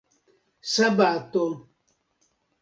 sabato